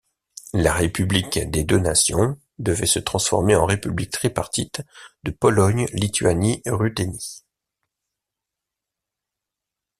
La République des Deux Nations devait se transformer en République tripartite de Pologne-Lituanie-Ruthénie.